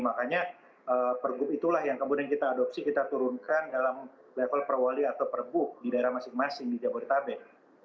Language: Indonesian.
makanya pergub itulah yang kemudian kita adopsi kita turunkan dalam level perwali atau perbuk di daerah masing masing di jabodetabek